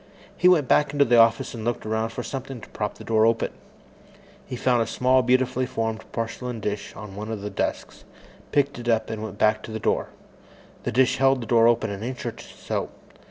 He went back into the office and looked around for something to prop the door open. He found a small, beautifully formed porcelain dish on one of the desks, picked it up, and went back to the door. The dish held the door open an inch or so.